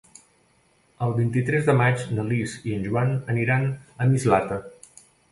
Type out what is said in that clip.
El vint-i-tres de maig na Lis i en Joan aniran a Mislata.